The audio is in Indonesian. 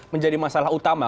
menjadi masalah utama